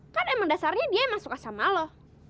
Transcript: kan emang dasarnya dia yang masuk asama lu